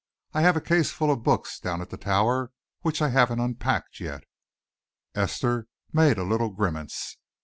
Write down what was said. I have a case full of books down at the Tower which I haven't unpacked yet." Esther made a little grimace.